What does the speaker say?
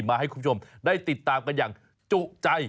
มาให้คุณผู้ชมได้ติดตามกันอย่างจุใจ